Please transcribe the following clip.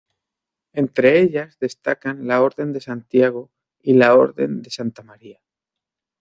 Entre ellas destacan la Orden de Santiago y la Orden de Santa María.